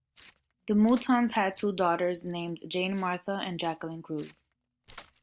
The Moutons had two daughters named Jane Martha and Jacquelyn Cruse.